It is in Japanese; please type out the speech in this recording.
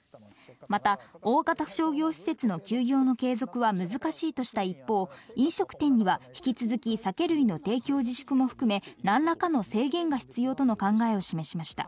また、大型商業施設の休業の継続は難しいとした一方、飲食店には引き続き酒類の提供自粛も含め、なんらかの制限が必要との考えを示しました。